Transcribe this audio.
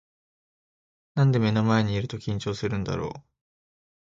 なんで目の前にいると緊張するんだろう